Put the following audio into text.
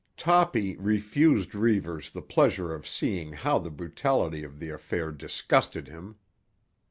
Toppy refused Reivers the pleasure of seeing how the brutality of the affair disgusted him.